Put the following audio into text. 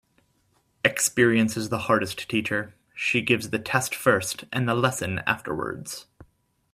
Experience is the hardest teacher. She gives the test first and the lesson afterwards.